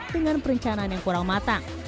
dengan perencanaan yang kurang matang